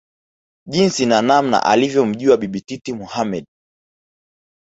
jinsi na namna alivyomjua Bibi Titi Mohamed